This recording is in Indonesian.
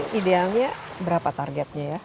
pilihannya berapa targetnya ya